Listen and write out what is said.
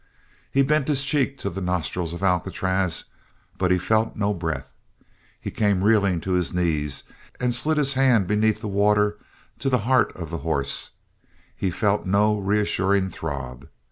He bent his cheek to the nostrils of Alcatraz, but he felt no breath. He came reeling to his knees and slid his hand beneath the water to the heart of the horse; he felt no reassuring throb.